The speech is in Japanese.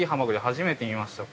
初めて見ました。